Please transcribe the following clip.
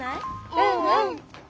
うんうん。